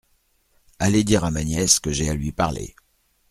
Allez dire à ma nièce que j’ai à lui parler.